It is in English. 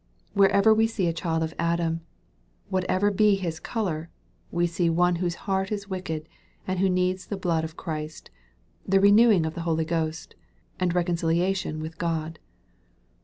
Wherever we see a child of Adam, whatever be his color, we see one whose heart is wicked, and who needs the blood of Christ, the renewing of the Holy Ghost, and reconcilia tion with God.